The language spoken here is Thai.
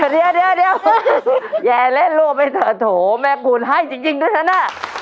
เดี๋ยวแย่เล่นลวงไปเถอะโถแม่ขุนให้จริงด้วยฉันนะ